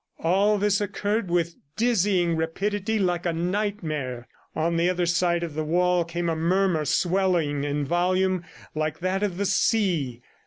All this occurred with dizzying rapidity, like a nightmare. On the other side of the wall came a murmur, swelling in volume, like that of the sea.